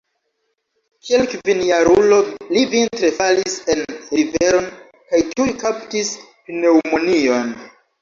Kiel kvinjarulo li vintre falis en riveron kaj tuj kaptis pneŭmonion.